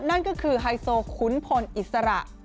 นั่นก็คือไฮโซขุนพลอิสระ